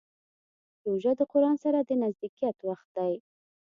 روژه د قرآن سره د نزدېکت وخت دی.